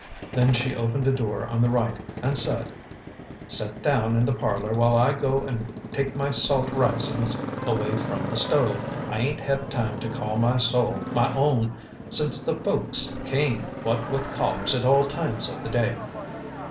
Then she opened a door on the right and said: "Set down in the parlor while I go and take my salt risin's away from the stove. I ain't had time to call my soul my own since the folks came, what with callers at all times of the day."